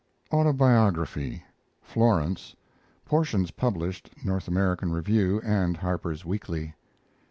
AUTOBIOGRAPHY (Florence) portions published, N. A. Rev. and Harper's Weekly.